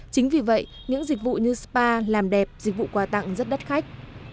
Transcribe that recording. chính vì vậy những dịch vụ như spa làm đẹp dịch vụ quà tặng rất đắt khách